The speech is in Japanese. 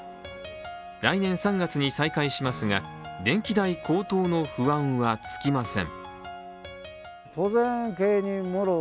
来年３月に再開しますが電気代高騰の不安は尽きません。